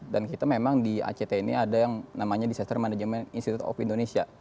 dan kita memang di act ini ada yang namanya disaster management institute of indonesia